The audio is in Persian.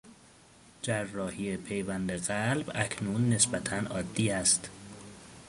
جراحی پیوند قلب اکنون نسبتا عادی است.